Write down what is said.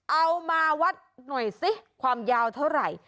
เอามาวัดหน่อยสิความยาวเท่าไหร่